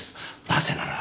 なぜなら。